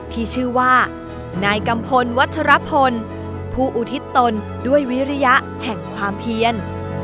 ที่ชื่อว่านายกัมพลวัชรพลผู้อุทิศตนด้วยวิริยะแห่งความเพียน